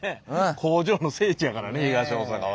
工場の聖地やからね東大阪は。